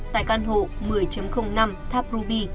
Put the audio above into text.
tại căn hộ một mươi năm tháp ruby